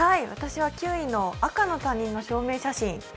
私は９位の「赤の他人の証明写真」。